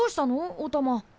おたま。